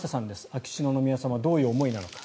秋篠宮様どういう思いなのか。